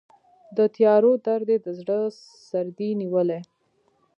د تیارو درد یې د زړه سردې نیولی